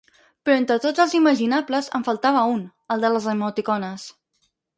Però entre tots els imaginables, en faltava un: el de les emoticones.